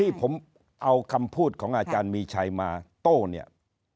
ที่ผมเอาคำพูดของอาจารย์มีชัยมาโต้เนี่ย